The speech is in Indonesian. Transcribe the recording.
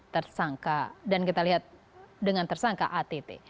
tersangka dan kita lihat dengan tersangka att